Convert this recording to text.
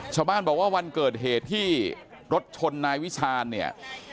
ชาวบ้านบอกว่าวันเกิดเหตุที่รถชนนายวิชาญเนี่ย